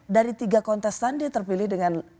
dari tiga kontestan dia terpilih dengan